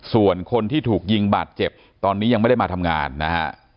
ส่วนคนที่ถูกยิงบาดเจ็บตอนนี้ยังไม่ได้มาทำงานนะฮะ